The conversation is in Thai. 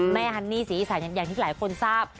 ฮันนี่ศรีอีสานอย่างที่หลายคนทราบ